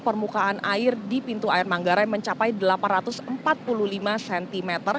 permukaan air di pintu air manggarai mencapai delapan ratus empat puluh lima cm